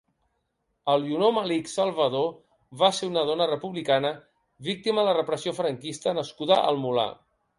Elionor Malich Salvador va ser una dona republicana víctima de la Repressió Franquista nascuda al Molar.